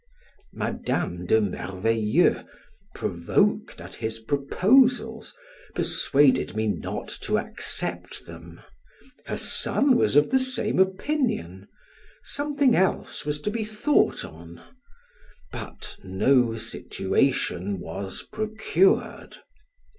Madam de Merveilleux, provoked at his proposals, persuaded me not to accept them; her son was of the same opinion; something else was to be thought on, but no situation was procured.